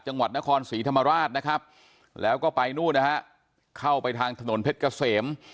จังหวัดนครศรีธรรมราชนะครับแล้วก็ไปนู่นนะฮะเข้าไปทางถนนเพชรเกษม